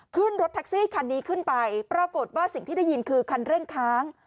ขึ้นรถแท็กซี่คันนี้ขึ้นไปปรากฏว่าสิ่งที่ได้ยินคือคันเร่งค้าง